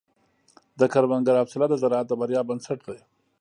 د کروندګر حوصله د زراعت د بریا بنسټ دی.